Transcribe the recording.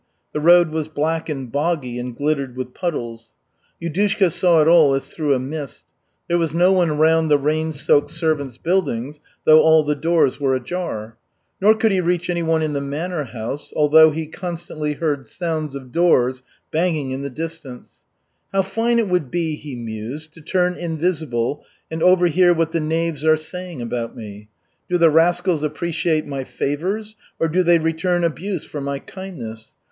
The road was black and boggy and glittered with puddles. Yudushka saw it all as through a mist. There was no one round the rain soaked servants' buildings, though all the doors were ajar. Nor could he reach anyone in the manor house, although he constantly heard sounds as of doors banging in the distance. "How fine it would be," he mused, "to turn invisible and overhear what the knaves are saying about me. Do the rascals appreciate my favors or do they return abuse for my kindness?